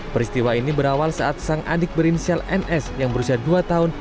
peristiwa ini berawal saat sang adik berinsial ns yang berusia dua tahun